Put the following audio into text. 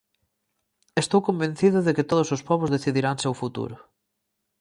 Estou convencido de que todos os pobos decidirán seu futuro.